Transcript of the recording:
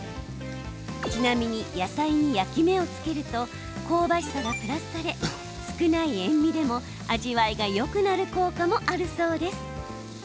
ちなみに野菜に焼き目をつけると香ばしさがプラスされ少ない塩みでも味わいがよくなる効果もあるそうです。